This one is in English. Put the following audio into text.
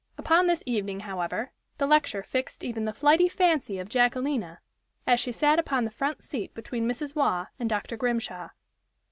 Upon this evening, however, the lecture fixed even the flighty fancy of Jacquelina, as she sat upon the front seat between Mrs. Waugh and Dr. Grimshaw.